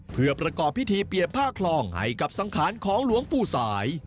เพื่อประกอบพิธีเปรียบผ้าคลองให้กับสังขารของหลวงปู่สาย